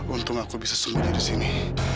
untung aku bisa sembunyi di sini